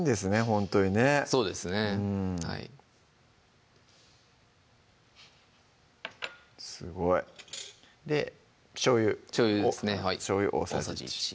ほんとにねそうですねはいすごいでしょうゆしょうゆですねはいしょうゆ大さじ１